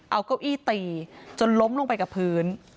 เอาเก้าอี้ตีจนล้มลงไปกับพื้น